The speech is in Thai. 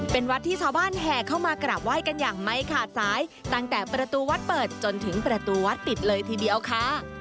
เป็นวัดที่ชาวบ้านแห่เข้ามากราบไหว้กันอย่างไม่ขาดสายตั้งแต่ประตูวัดเปิดจนถึงประตูวัดปิดเลยทีเดียวค่ะ